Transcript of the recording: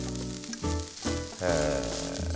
へえ。